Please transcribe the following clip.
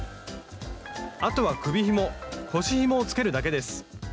あとは首ひも腰ひもをつけるだけです。